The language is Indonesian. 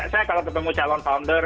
saya kalau ketemu calon founder